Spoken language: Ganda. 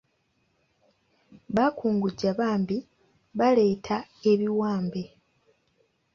Baakungujja bambi baleeta ebiwambe.